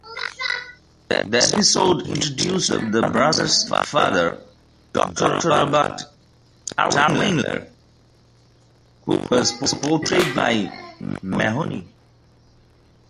The episode introduced the brothers' father, Doctor Robert Terwilliger, who was portrayed by Mahoney.